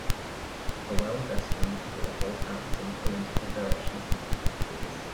A well dressed young couple hold hands and pull in different directions in front of trees.